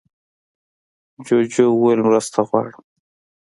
جوجو وویل مرسته غواړم.